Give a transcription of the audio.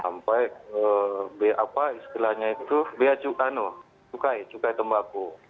sampai apa istilahnya itu biar cukai no cukai cukai tembako